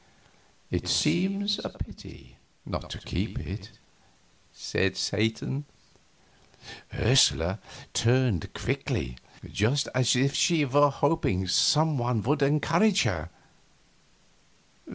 "It seems a pity not to keep it," said Satan. Ursula turned quickly just as if she were hoping some one would encourage her.